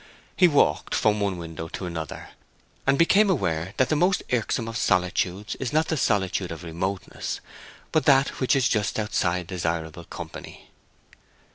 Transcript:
He walked from one window to another, and became aware that the most irksome of solitudes is not the solitude of remoteness, but that which is just outside desirable company.